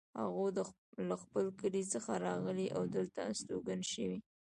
هغوی له خپل کلي څخه راغلي او دلته استوګن شوي